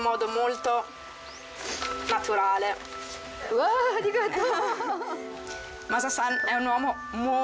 わぁありがとう。